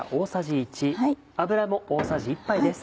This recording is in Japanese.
油も大さじ１杯です。